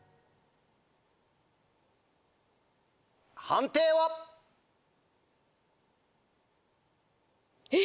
判定は？え？